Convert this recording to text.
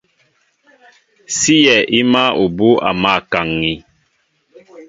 Síyɛ í máál ubú' a mǎl kaŋ̀ŋi.